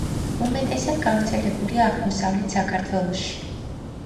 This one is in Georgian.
უმეტესად გავრცელებულია აღმოსავლეთ საქართველოში.